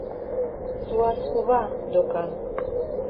Суас кува... докан...